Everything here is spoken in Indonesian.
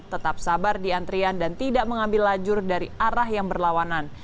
tetap sabar di antrian dan tidak mengambil lajur dari arah yang berlawanan